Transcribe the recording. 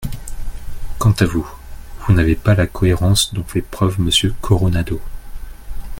Quant à vous, vous n’avez pas la cohérence dont fait preuve Monsieur Coronado.